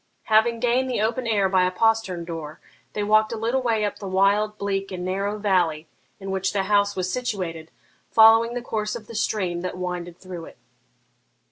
Having gained the open air by a postern door, they walked a little way up the wild, bleak, and narrow valley in which the house was situated, following the course of the stream that winded through it.